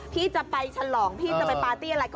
พี่จะไปฉลองพี่จะไปปาร์ตี้อะไรก็